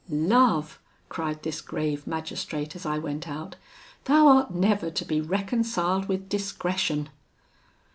love!' cried this grave magistrate as I went out, 'thou art never to be reconciled with discretion!'